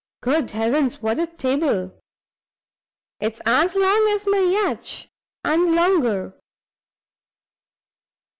Good heavens, what a table! it's as long as my yacht, and longer.